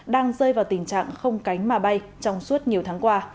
đang rơi vào tình trạng không cánh mà bay trong suốt nhiều tháng qua